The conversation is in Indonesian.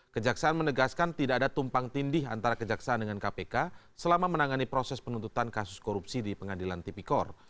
kejaksaan menegaskan tidak ada tumpang tindih antara kejaksaan dengan kpk selama menangani proses penuntutan kasus korupsi di pengadilan tipikor